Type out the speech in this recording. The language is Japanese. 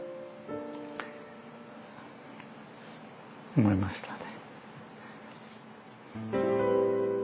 思いましたね。